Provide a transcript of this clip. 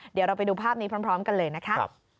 เดี๋ยวเราไปดูภาพนี้พร้อมกันเลยนะคะ